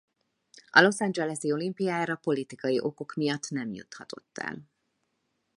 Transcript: A Los Angeles-i olimpiára politikai okok miatt nem juthatott el.